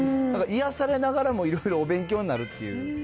なんか癒やされながらも、いろいろお勉強になるっていう。